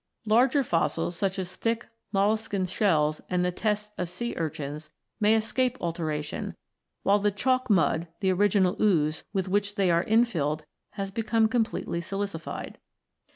Larger fossils, such as thick molluscan shells and the tests of sea urchins, may escape alteration, while the chalk mud, the original ooze, with which they are infilled has become completely silicified.